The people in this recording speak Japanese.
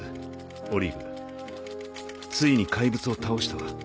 オリーブ「ついに怪物を倒したわ」。